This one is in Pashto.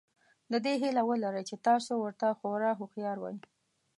د دې هیله ولرئ چې تاسو ورته خورا هوښیار وئ.